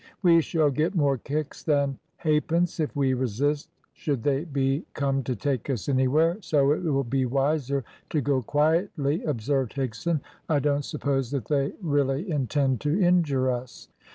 "We shall get more kicks than ha'pence if we resist should they be come to take us anywhere, so it will be wiser to go quietly," observed Higson. "I don't suppose that they really intend to injure us."